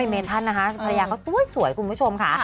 เมทันภรรยาก็สวยคุณผู้ชมค่ะ